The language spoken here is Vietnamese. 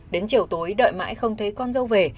đến chiều tối đợi mãi không thấy con dâu về